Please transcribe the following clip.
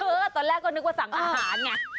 ตอนแรกก็นึกว่าสั่งอาหารไง